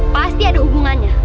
pasti ada hubungannya